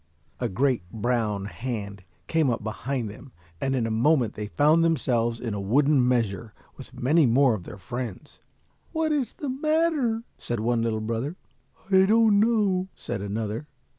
A great brown hand came up behind them and in a moment they found themselves in a wooden measure with many more of their friends. "What is the matter?" said one little brother. "I don't know," said another.